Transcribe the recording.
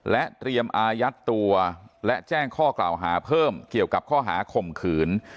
เตรียมอายัดตัวและแจ้งข้อกล่าวหาเพิ่มเกี่ยวกับข้อหาข่มขืน